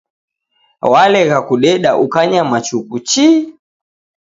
Walegha kudeda ukanyama chuku chii